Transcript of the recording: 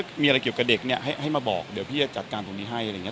ถ้ามีอะไรเกี่ยวกับเด็กให้มาบอกได้จัดการให้